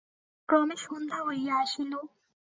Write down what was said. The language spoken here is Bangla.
ক্রমে সন্ধ্যা হইয়া আসিল।